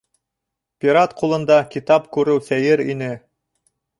Пират ҡулында китап күреү сәйер ине.